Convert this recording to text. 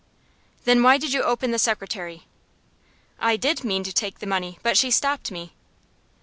"Then why did you open the secretary?" "I did mean to take money, but she stopped me."